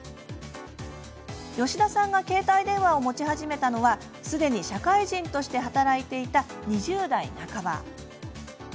吉田さんが携帯電話を持ち始めたのはすでに社会人として働いていた２０代半ば。